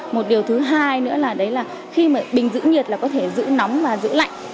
một điều thứ hai nữa là đấy là khi mà bình giữ nhiệt là có thể giữ nóng và giữ lạnh